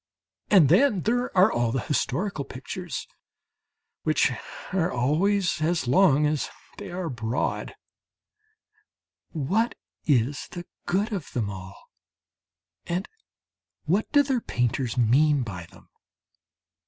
And then there are all the historical pictures which are always as long as they are broad what is the good of them all? And what do their painters mean by them?